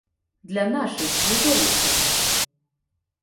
Для нашых, для турыстаў.